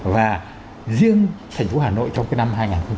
và riêng thành phố hà nội trong cái năm hai nghìn hai mươi